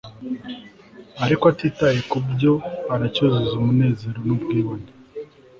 Ariko atitaye kubyo aracyuzuza umunezero nubwibone